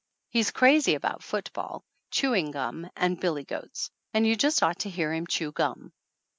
He's crazy about foot ball, chewing gum and billy goats. And you just ought to hear him chew gum!